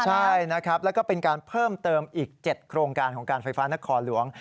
ใช่นะครับแล้วก็เป็นการเพิ่มเติมอีก๗โครงการของการไฟฟ้านครหลวง